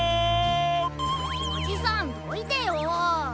おじさんどいてよ。